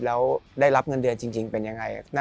แล้วได้รับเงินเดือนจริงเป็นยังไง